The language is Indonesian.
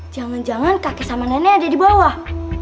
jangan jangan kaki sama nenek ada di bawah